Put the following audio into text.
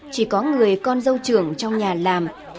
chỉ có người con dâu trưởng trong nhà làm